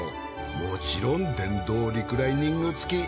もちろん電動リクライニング付き。